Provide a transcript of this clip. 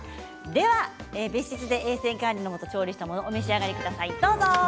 では別室で衛生管理のもと調理したものをお召し上がりください。